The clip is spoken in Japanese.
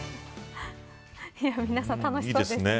皆さん、楽しそうですね。